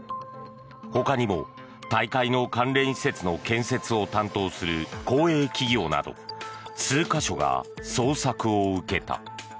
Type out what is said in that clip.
ほかにも大会の関連施設の建設を担当する公営企業など数か所が捜索を受けた。